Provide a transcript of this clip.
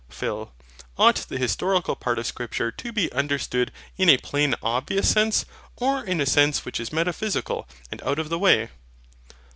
PHIL. Ought the historical part of Scripture to be understood in a plain obvious sense, or in a sense which is metaphysical and out of the way?